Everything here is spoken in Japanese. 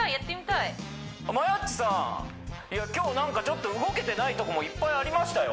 いや今日なんかちょっと動けてないとこもいっぱいありましたよ